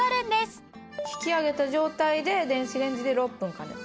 引き上げた状態で電子レンジで６分加熱。